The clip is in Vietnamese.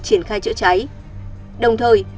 triển khai chữa cháy đồng thời